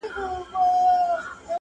د پېړیو پېګويي به یې کوله!!